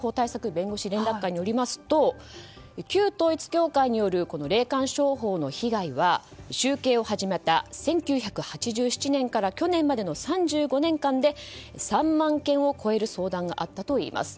弁護士連絡会によりますと旧統一教会による霊感商法の被害は集計を始めた１９８７年から去年までの３５年間で３万件を超える相談があったといいます。